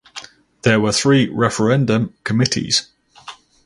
There were three referendum committees.